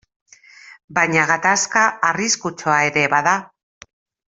Baina gatazka arriskutsua ere bada.